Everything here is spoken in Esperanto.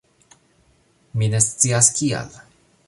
Mi ne scias kial